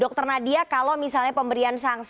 dokter nadia kalau misalnya pemberian